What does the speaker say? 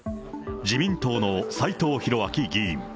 自民党の斎藤洋明議員。